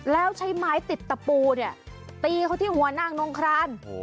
แล้วใช้ไม้ติดตะปูเนี่ยตีเขาที่หัวนางนงคราน